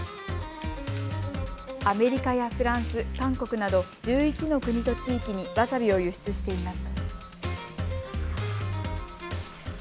アメリカやフランス、韓国など１１の国と地域にわさびを輸出しています。